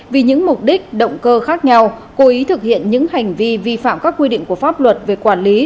vì những mục đích động cơ khác nhau cố ý thực hiện những hành vi vi phạm các quy định của pháp luật về quản lý